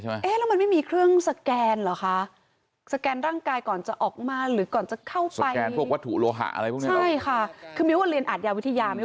แต่ถ้าอมในปากมันจะจับได้รึเปล่า